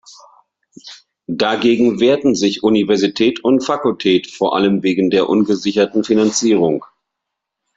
Dagegen wehrten sich Universität und Fakultät, vor allem wegen der ungesicherten Finanzierung.